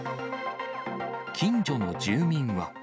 近所の住民は。